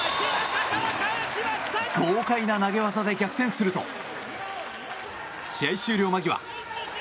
豪快な投げ技で逆転すると試合終了間際。